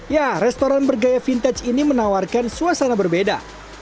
ya restoran bergaya vintage ini menawarkan suasana berbeda